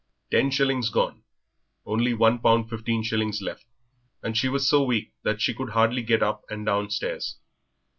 Ten shillings gone; only one pound fifteen shillings left, and still she was so weak that she could hardly get up and down stairs.